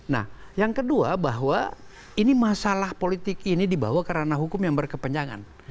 nah yang kedua bahwa ini masalah politik ini dibawa karena hukum yang berkepenjangan